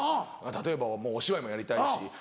例えばお芝居もやりたいし